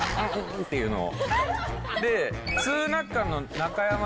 っていうのを。